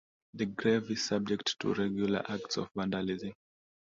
The grave is subject to regular acts of vandalism.